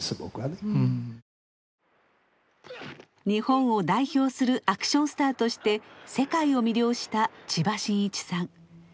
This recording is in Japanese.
日本を代表するアクションスターとして世界を魅了した千葉真一さん。